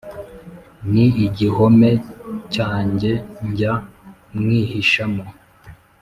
Ni igihome cyanjye njya mwihishamo